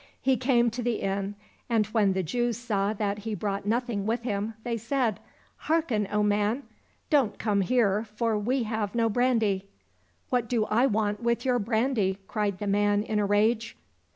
He came to the inn, and when the Jews saw that he brought nothing with him they said, " Hearken, O man ! don't come here, for we have no brandy." —" What do I want with your brandy }" cried the man in a rage.